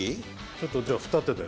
ちょっとじゃあ二手で。